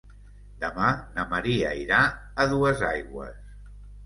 Demà na Maria irà a Duesaigües.